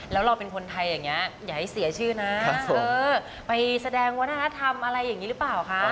แล้วเราเป็นคนไทยอย่างนี้อย่าให้เสียชื่อนะไปแสดงวัฒนธรรมอะไรอย่างนี้หรือเปล่าคะ